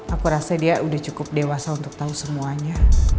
aku rasa dia udah cukup dewasa untuk tahu semuanya